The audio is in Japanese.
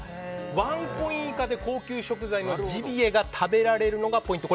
ワンコイン以下で高級食材のジビエが食べられるのがポイント。